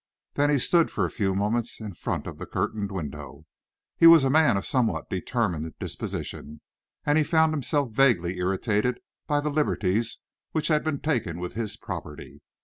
Then he stood for a few moments in front of the curtained window. He was a man of somewhat determined disposition, and he found himself vaguely irritated by the liberties which had been taken with his property.